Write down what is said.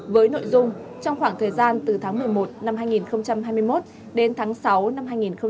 với nội dung trong khoảng thời gian từ tháng một mươi một năm hai nghìn hai mươi một đến tháng sáu năm hai nghìn hai mươi ba